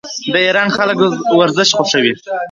د ایران خلک ورزش خوښوي.